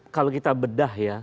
kalau kita bedah ya